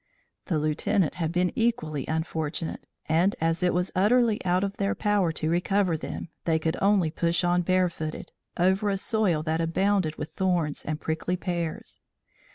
The Lieutenant had been equally unfortunate, and, as it was utterly out of their power to recover them, they could only push on barefooted, over a soil that abounded with thorns and prickly pears.